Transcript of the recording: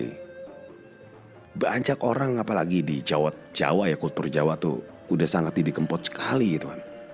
hai banyak orang apalagi di jawa jawa ya kultur jawa tuh udah sangat didikempot sekali itu